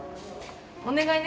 お願いね